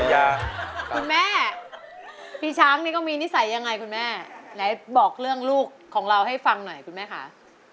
คุณแม่พี่ช้างนี่ก็มีนิสัยยังไงคุณแม่ไหนบอกเรื่องลูกของเราให้ฟังหน่อยคุณแม่คะ